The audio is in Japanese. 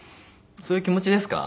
そういう気持ちですか？